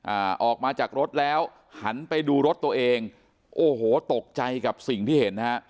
อ่าออกมาจากรถแล้วหันไปดูรถตัวเองโอ้โหตกใจกับสิ่งที่เห็นนะฮะ